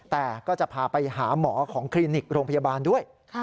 แต่ก็จะพาไปหาหมอของคลินิกโรงพยาบาลด้วย